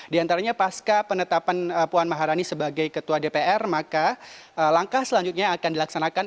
di antaranya pasca penetapan puan maharani sebagai ketua dpr maka langkah selanjutnya akan dilaksanakan